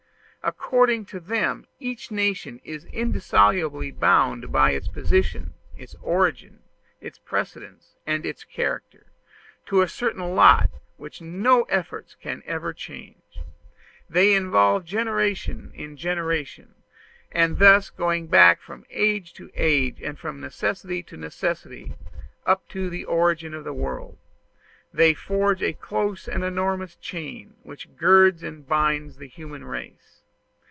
According to them, each nation is indissolubly bound by its position, its origin, its precedents, and its character, to a certain lot which no efforts can ever change. They involve generation in generation, and thus, going back from age to age, and from necessity to necessity, up to the origin of the world, they forge a close and enormous chain, which girds and binds the human race.